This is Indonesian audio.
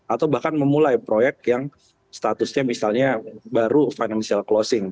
atau bahkan memulai proyek yang statusnya misalnya baru financial closing